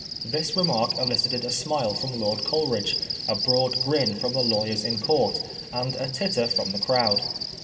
This remark elicited a smile from. Lord Coleridge, a broad grin from the lawyers in Court, and a titter from the crowd.